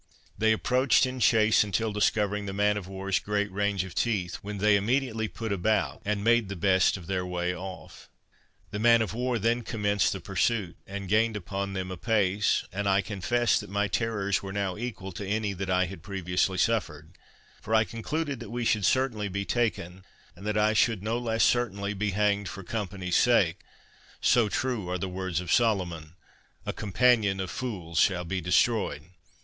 They approached in chase until discovering the man of war's great range of teeth, when they immediately put about, and made the best of their way off. The man of war then commenced the pursuit, and gained upon them apace, and I confess that my terrors were now equal to any that I had previously suffered; for I concluded that we should certainly be taken, and that I should no less certainly be hanged for company's sake: so true are the words of Solomon, "A companion of fools shall be destroyed."